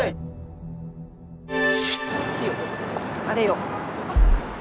あれよ。